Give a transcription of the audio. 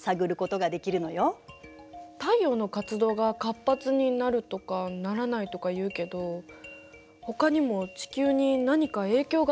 太陽の活動が活発になるとかならないとか言うけどほかにも地球に何か影響があるのかしら。